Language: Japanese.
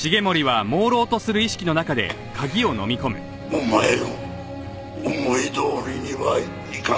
お前の思いどおりにはいかない！